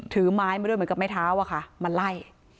ถือไม้มาด้วยเหมือนกับไม้เท้าอะค่ะมาไล่